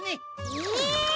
え？